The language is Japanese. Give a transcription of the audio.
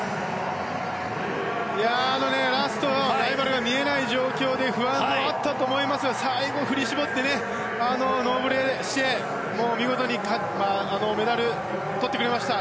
ラストでライバルが見えない状況で不安もあったと思いますが最後、振り絞ってノーブレして見事にメダルをとってくれた。